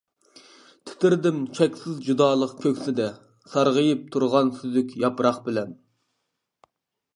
تىترىدىم چەكسىز جۇدالىق كۆكسىدە، سارغىيىپ تۇرغان سۈزۈك ياپراق بىلەن.